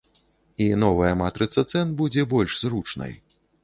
І новая матрыца цэн будзе больш зручнай.